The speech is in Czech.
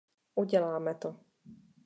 Uděláme to.